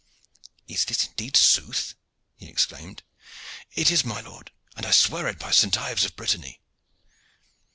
"Is this indeed sooth?" he exclaimed. "It is, my lord, and I swear it by St. Ives of Brittany."